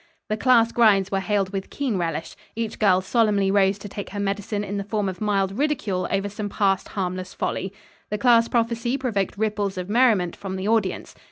The class grinds were hailed with keen relish. Each girl solemnly rose to take her medicine in the form of mild ridicule over some past harmless folly. The class prophecy provoked ripples of merriment from the audience.